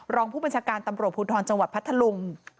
รองผู้บัญชาการตำรวจภูทรจังหวัดพัทธลุง